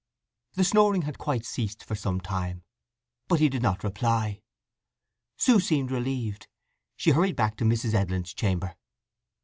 The snoring had quite ceased for some time, but he did not reply. Sue seemed relieved, and hurried back to Mrs. Edlin's chamber.